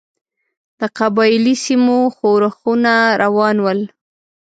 د قبایلي سیمو ښورښونه روان ول.